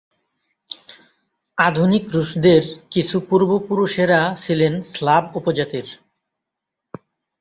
আধুনিক রুশদের কিছু পূর্বপুরুষেরা ছিলেন স্লাভ উপজাতির।